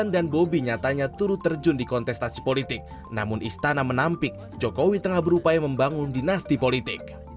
jokowi dan bobi nyatanya turut terjun di kontestasi politik namun istana menampik jokowi tengah berupaya membangun dinasti politik